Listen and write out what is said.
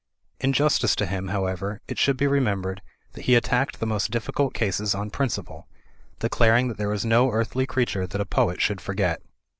In justice to him, how ever, it should be remembered that he attacked the most difficult cases on principle, declaring that there was no earthly creature that a poet should forget.